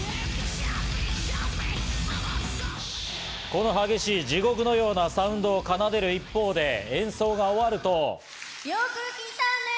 この激しい地獄のようなサウンドを奏でる一方で、演奏が終わると。